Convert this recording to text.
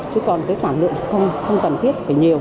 chứ còn cái sản lượng không cần thiết phải nhiều